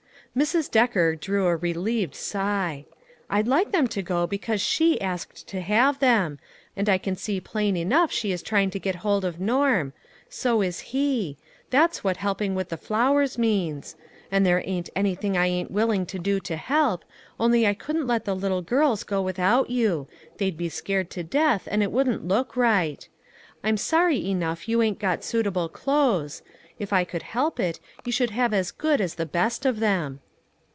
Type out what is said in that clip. Mrs. Decker drew a relieved sigh. " I'd like them to go because she asked to have them ; and I can see plain enough she is trying to get hold of Norm ; BO is he; that's what helping with the flowers means ; and there ain't anything I ain't willing to do to help, only I couldn't let the little girls go without you ; they'd be scared to death, and it wouldn't look right. I'm sorry enough you ain't got suitable clothes ; if I could help it, you should have as good as the best of them."